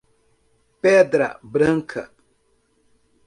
Pedra Branca